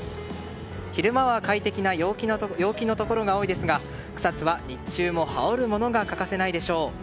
昼間は快適な陽気のところが多いですが草津は日中も羽織るものが欠かせないでしょう。